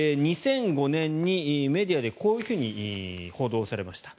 ２００５年にメディアでこういうふうに報道されました。